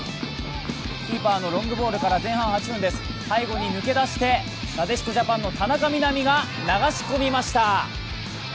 キーパーのロングボールから最後に抜け出して、なでしこジャパン・田中美南が流し込みました。